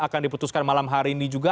akan diputuskan malam hari ini juga